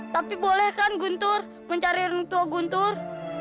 tapi boleh kan guntur mencari orang tua guntur